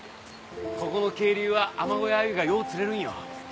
ここの渓流はアマゴやアユがよう釣れるんよ。